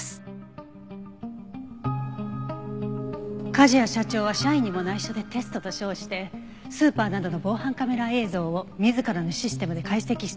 梶谷社長は社員にも内緒でテストと称してスーパーなどの防犯カメラ映像を自らのシステムで解析していた。